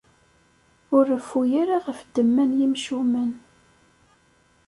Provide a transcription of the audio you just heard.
Ur reffu ara ɣef ddemma n yimcumen.